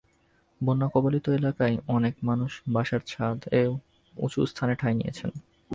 বন্যা কবলিত এলাকার অনেক মানুষ বাসার ছাদে ও উঁচু স্থানে ঠাঁই নিয়েছেন।